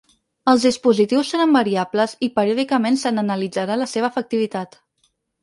Els dispositius seran variables i periòdicament se n’analitzarà la seva efectivitat.